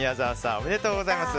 おめでとうございます。